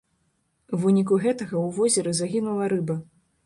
У выніку гэтага ў возеры загінула рыба.